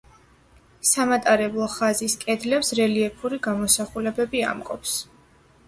სამატარებლო ხაზის კედლებს რელიეფური გამოსახულებები ამკობს.